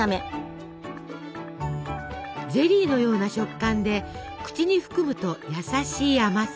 ゼリーのような食感で口に含むと優しい甘さ。